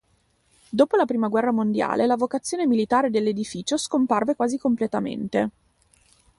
Dopo la prima guerra mondiale, la vocazione militare dell'edificio scomparve quasi completamente.